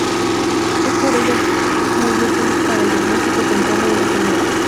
Es por ello muy útil para el diagnóstico temprano de la enfermedad.